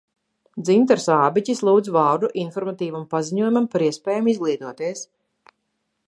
Dzintars Ābiķis lūdz vārdu informatīvam paziņojumam par iespējām izglītoties.